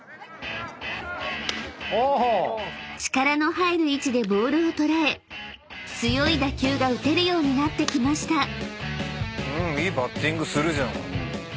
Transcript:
［力の入る位置でボールを捉え強い打球が打てるようになってきました］